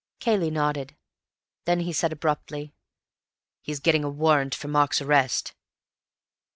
Cayley nodded. Then he said abruptly, "He's getting a warrant for Mark's arrest."